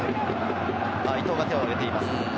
伊東が手をあげています。